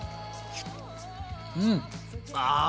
うん！